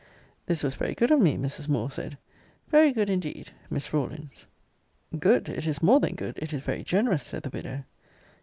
This was very good of me; Mrs. Moore said. Very good indeed; Miss Rawlins. Good; It is more than good; it is very generous; said the widow.